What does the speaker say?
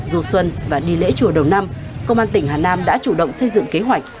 du xuân và đi lễ chùa đầu năm công an tỉnh hà nam đã chủ động xây dựng kế hoạch